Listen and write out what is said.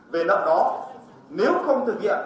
hoặc là khởi kiện